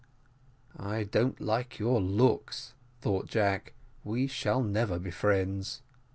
"I don't like your looks," thought Jack "we shall never be friends."